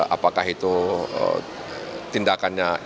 apakah itu tindakannya